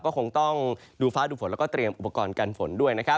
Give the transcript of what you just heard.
ก็คงต้องดูฟ้าดูฝนแล้วก็เตรียมอุปกรณ์กันฝนด้วยนะครับ